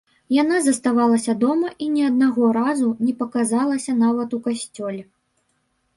Яна заставалася дома і ні аднаго разу не паказалася нават у касцёле.